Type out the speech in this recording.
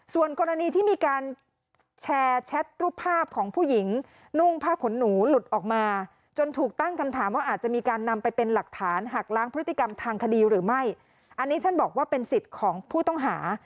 ส่วนกรณีที่มีการแชร์แชทรูปภาพของผู้หญิงนุ่งผ้าขนหนูหลุดออกมา